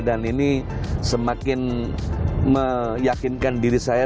dan ini semakin meyakinkan diri saya